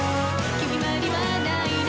「決まりはないね」